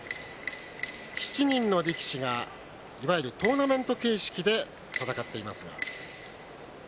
７人の力士がいわゆるトーナメント形式で戦っています。